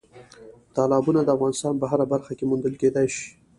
تالابونه د افغانستان په هره برخه کې موندل کېدای شي.